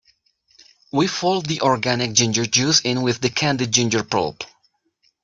We fold the organic ginger juice in with the candied ginger pulp.